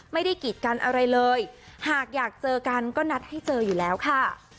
กีดกันอะไรเลยหากอยากเจอกันก็นัดให้เจออยู่แล้วค่ะ